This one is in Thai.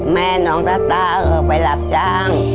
ม่าน้องตาตาก็ไปรับช่าง